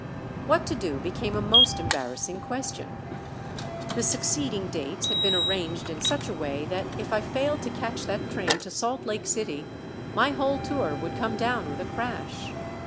What to do became a most embarrassing question. The succeeding dates had been arranged in such a way that if I failed to catch that train to Salt Lake City my whole tour would come down with a crash.